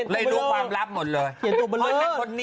แล้วดูความลับหมดเลย